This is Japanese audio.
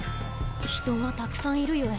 人がたくさんいるゆえ。